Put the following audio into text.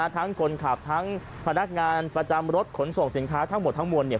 ทั้งคนขับพนักงานประจำรถขนส่งสินค้าทั้งหมดพวกเรา